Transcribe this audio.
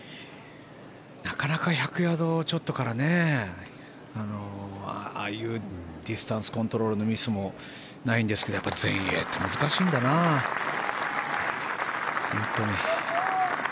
なかなか１００ヤードちょっとからああいうディスタンスコントロールのミスもないんですけど全英って難しいんだな、本当に。